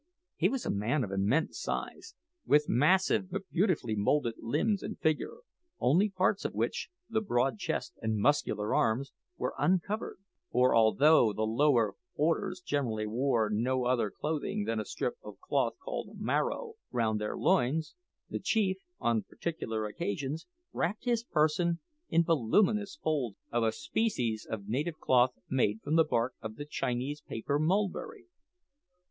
He was a man of immense size, with massive but beautifully moulded limbs and figure, only parts of which the broad chest and muscular arms were uncovered; for although the lower orders generally wore no other clothing than a strip of cloth called maro round their loins, the chief, on particular occasions, wrapped his person in voluminous folds of a species of native cloth made from the bark of the Chinese paper mulberry.